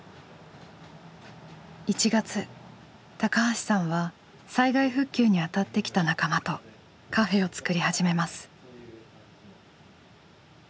１月橋さんは災害復旧にあたってきた仲間とカフェをつくり始めます。